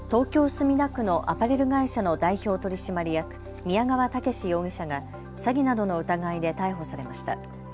墨田区のアパレル会社の代表取締役、宮川武容疑者が詐欺などの疑いで逮捕されました。